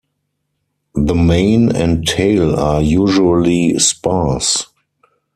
The mane and tail are usually sparse.